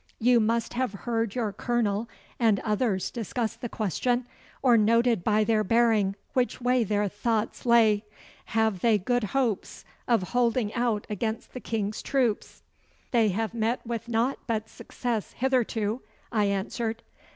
You must have heard your Colonel and others discuss the question, or noted by their bearing which way their thoughts lay. Have they good hopes of holding out against the King's troops?' 'They have met with naught but success hitherto,' I answered.